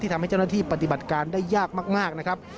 ทำให้เจ้าหน้าที่ปฏิบัติการได้ยากมากนะครับ